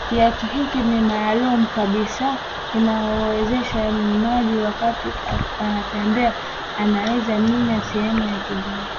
Kiatu hiki ni maalumu kabisa kinamuwezesha mvaaji wakati anatembea anaweza minya sehemu na kidole